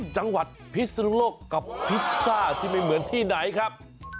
จังหวัดพิศนุโลกกับพิซซ่าที่ไม่เหมือนที่ไหนครับ